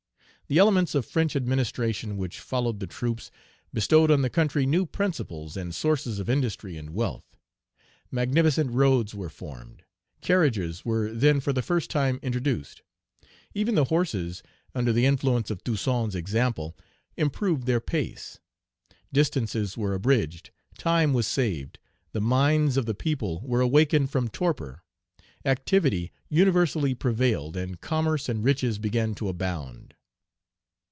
The elements of French administration, which followed the troops, bestowed on the country new principles and sources of industry and wealth. Magnificent roads were formed. Carriages were then for the first time introduced. Even the horses, under the influence of Toussaint's example, improved their pace. Distances were abridged; time was saved; the minds of the people were awakened from torpor; activity universally prevailed, and commerce and riches began to abound.